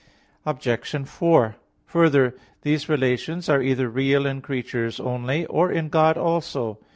Obj. 4: Further, these relations are either real in creatures only, or in God also.